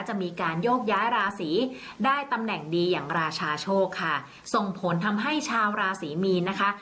จะมีการโยกย้ายราศีได้ตำแหน่งดีอย่างราชาโชคค่ะส่งผลทำให้ชาวราศีมีนนะคะ